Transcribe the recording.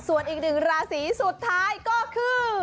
ส่วนอีกหนึ่งราศีสุดท้ายก็คือ